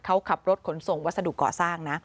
เขาขับรถขนส่งวัสดุก่อสร้างนะ